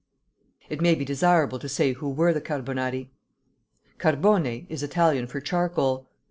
It may be desirable to say who were the Carbonari. "Carbone" is Italian for charcoal.